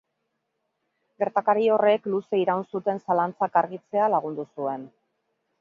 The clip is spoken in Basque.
Gertakari horrek, luze iraun zuten zalantzak argitzea lagundu zuen.